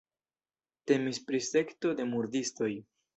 Temis pri sekto de murdistoj.